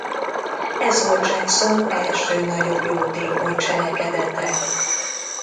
Ez volt Jackson első nagyobb jótékony cselekedete.